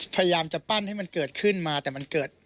พยายามจะปั้นให้มันเกิดขึ้นมาแต่มันเกิด